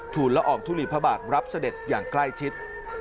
ละอองทุลีพระบาทรับเสด็จอย่างใกล้ชิด